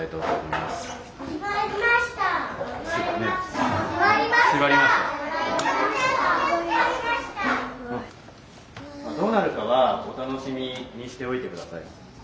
まあどうなるかはお楽しみにしておいて下さい。